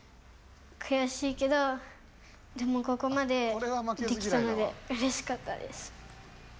くやしいけどでもここまでできたのでうれしかったです。